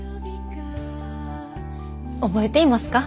覚えていますか？